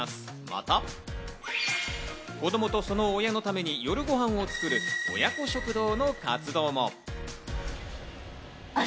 また、子供とその親のために、夜ご飯を作る親子食堂の活動も。